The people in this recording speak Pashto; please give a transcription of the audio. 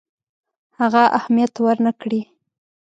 هغه اهمیت ورنه کړي.